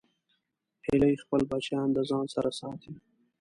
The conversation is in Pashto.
هیلۍ خپل بچیان د ځان سره ساتي